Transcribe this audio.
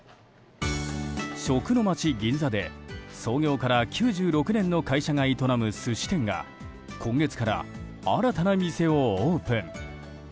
食の街・銀座で創業から９６年の会社が営む寿司店が今月から新たな店をオープン。